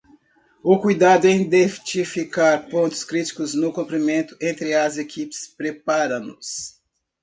O cuidado em identificar pontos críticos no comprometimento entre as equipes prepara-nos